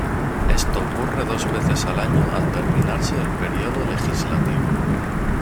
Esto ocurre dos veces al año al terminarse el periodo legislativo.